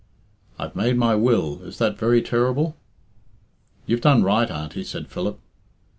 "I've made my will! Is that very terrible?" "You've done right, Auntie," said Philip.